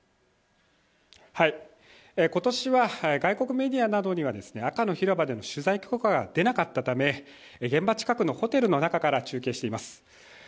今年は外国メディアなどには赤の広場での取材許可が出なかったため現場近くのホテルの中から中継しています。